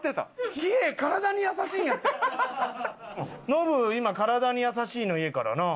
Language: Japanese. ノブ今体に優しいのいいからな。